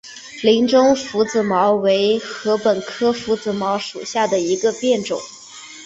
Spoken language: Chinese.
林中拂子茅为禾本科拂子茅属下的一个变种。